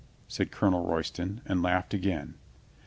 said Colonel Royston, and laughed again.